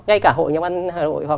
ngay cả hội nhóm ăn hà nội